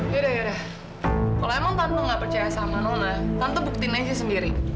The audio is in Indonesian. yaudah yaudah kalau emang tante nggak percaya sama nona tante buktiin aja sendiri